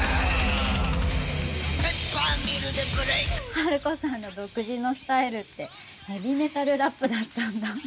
春子さんの独自のスタイルってヘヴィメタルラップだったんだ。